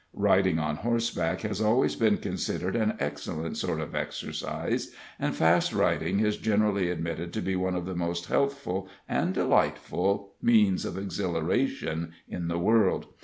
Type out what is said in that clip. Riding on horseback has always been considered an excellent sort of exercise, and fast riding is universally admitted to be one of the most healthful and delightful means of exhilaration in the world.